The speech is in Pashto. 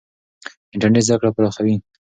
انټرنېټ زده کړه پراخوي.